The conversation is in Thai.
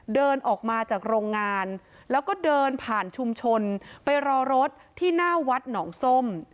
เดินออกมาจากโรงงานแล้วก็เดินผ่านชุมชนไปรอรถที่หน้าวัดหนองส้ม